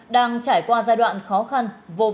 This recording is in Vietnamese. đang trải qua giai đoạn khó khăn